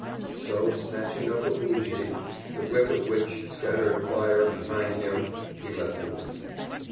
So snatching up a bougie, the wick of which scattered fire behind him, he left the room.